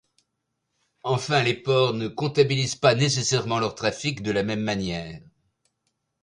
Enfin, les ports ne comptabilisent pas nécessairement leur trafic de la même manière.